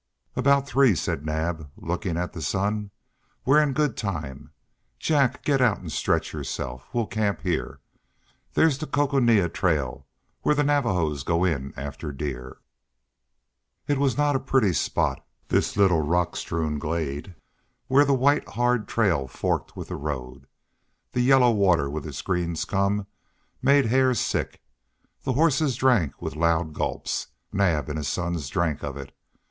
"About three," said Naab, looking at the sun. "We're in good time. Jack, get out and stretch yourself. We camp here. There's the Coconina Trail where the Navajos go in after deer." It was not a pretty spot, this little rock strewn glade where the white hard trail forked with the road. The yellow water with its green scum made Hare sick. The horses drank with loud gulps. Naab and his sons drank of it.